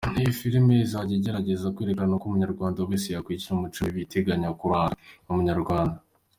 Iyi filimi izajya igerageza kwerekana uko umunyarwanda wese yakwirinda imico mibi itagakwiye kuranga umunyarwanda.